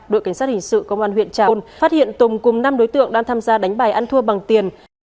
đội cảnh sát hình sự công an huyện trà ôn phát hiện tùng cùng năm đối tượng đang tham gia đánh bài ăn thua bằng tiền